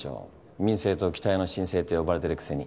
民政党期待の新星って呼ばれてるくせに。